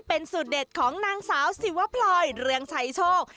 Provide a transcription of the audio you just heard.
เป็นสูตรเด็ดของนางสาวสิวพลอยเรืองชัยโชค